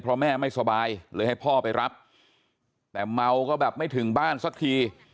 เพราะแม่ไม่สบายเลยให้พ่อไปรับแต่เมาก็แบบไม่ถึงบ้านสักที